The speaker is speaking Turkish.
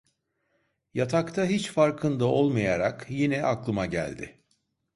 Yatakta hiç farkında olmayarak yine aklıma geldi.